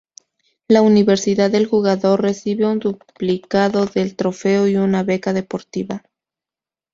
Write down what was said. La universidad del jugador recibe un duplicado del trofeo y una beca deportiva.